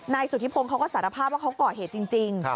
สุธิพงศ์เขาก็สารภาพว่าเขาก่อเหตุจริง